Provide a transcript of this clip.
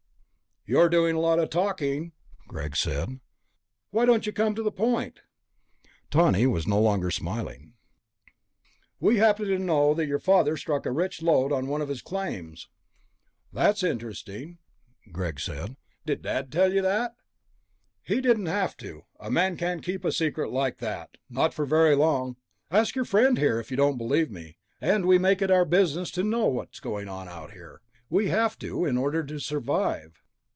"You're doing a lot of talking," Greg said. "Why don't you come to the point?" Tawney was no longer smiling. "We happen to know that your father struck a rich lode on one of his claims." "That's interesting," Greg said. "Did Dad tell you that?" "He didn't have to. A man can't keep a secret like that, not for very long. Ask your friend here, if you don't believe me. And we make it our business to know what's going on out here. We have to, in order to survive."